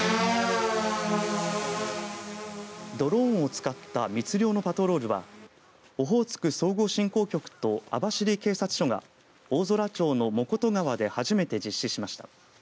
ドローンを使った密漁のパトロールはオホーツク総合振興局と網走警察署が大空町の藻琴川で初めて実施しました。